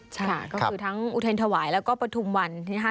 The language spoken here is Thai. ใช่ก็คือทั้งอุทธินธวายแล้วก็ปทุมวันนะฮะ